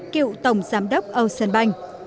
cựu tổng giám đốc âu sơn banh